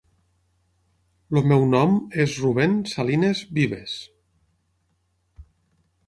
El meu nom és Rubén Salines Vives.